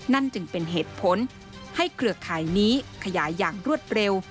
นั่นจึงเป็นเหตุผลให้เครือข่ายนี้ขยายอย่างรวดเร็ว